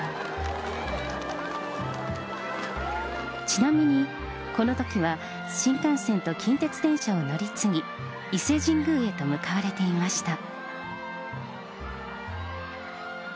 ちなみに、このときは新幹線と近鉄電車を乗り継ぎ、伊勢神宮へと向かわれていました。